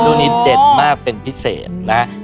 ช่วงนี้เด่นมากเป็นพิเศษนะ